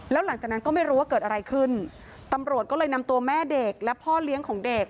แล้วหลังจากนั้นก็ไม่รู้ว่าเกิดอะไรขึ้นตำรวจก็เลยนำตัวแม่เด็กและพ่อเลี้ยงของเด็ก